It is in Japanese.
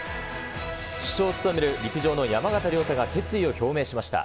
主将を務める陸上の山縣亮太が決意を表明しました。